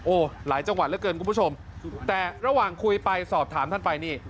โอ้โหหลายจังหวัดเหลือเกินคุณผู้ชมแต่ระหว่างคุยไปสอบถามท่านไปนี่